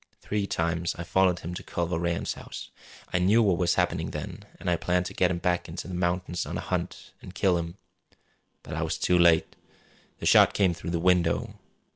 Three times I followed him to Culver Rann's house. I knew what was happening then, an' I planned to get him back in the mountains on a hunt, an' kill him. But I was too late. The shot came through the window.